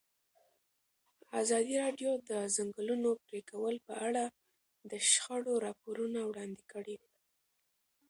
ازادي راډیو د د ځنګلونو پرېکول په اړه د شخړو راپورونه وړاندې کړي.